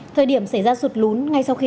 thời điểm xảy ra sụt lún ngay sau khi